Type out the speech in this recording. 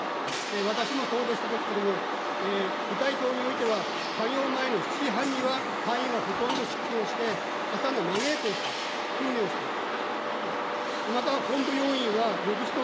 私もそうでしたけれども、部隊等においては課業前の７時半には隊員はほとんど出勤をして、朝のまげいこをしています、訓練をしています。